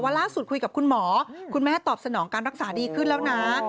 ล่าสุดคุยกับคุณหมอคุณแม่ตอบสนองการรักษาดีขึ้นแล้วนะ